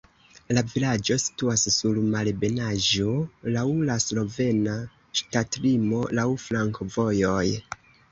La vilaĝo situas sur malebenaĵo, laŭ la slovena ŝtatlimo, laŭ flankovojoj.